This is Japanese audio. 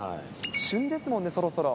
旬ですものね、そろそろ。